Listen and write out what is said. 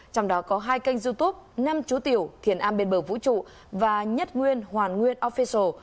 trong đó có hai kênh youtube năm chú tiểu thiền an bên bờ vũ trụ và nhất nguyên hoàn nguyên offesial